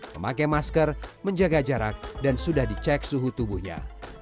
memakai masker menjaga jarak dan sudah dicek suhu tubuhnya